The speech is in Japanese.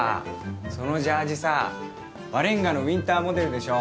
そのジャージーさバレンガのウィンターモデルでしょ？